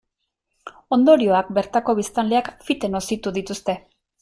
Ondorioak bertako biztanleek fite nozitu dituzte.